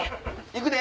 行くで！